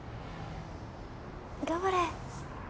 頑張れ。